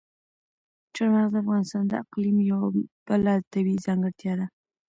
چار مغز د افغانستان د اقلیم یوه بله طبیعي ځانګړتیا ده.